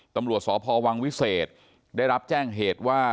ตำรวจสพวังวิเศษได้รับแจ้งเหตุว่า